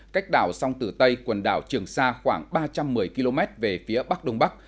cách đảo sông tử tây quần đảo trường sa khoảng ba trăm một mươi km về phía bắc đông bắc